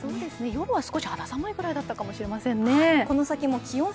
夜は少し肌寒かったくらいかもしれませんね。